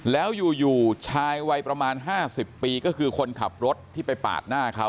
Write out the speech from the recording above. แล้วอยู่ชายวัยประมาณ๕๐ปีก็คือคนขับรถที่ไปปาดหน้าเขา